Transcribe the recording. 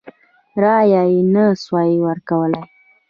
رایه یې نه سوای ورکولای.